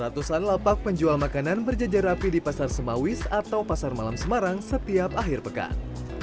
ratusan lapak penjual makanan berjajar rapi di pasar semawis atau pasar malam semarang setiap akhir pekan